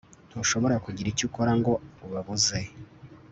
ntushobora kugira icyo ukora ngo ubabuze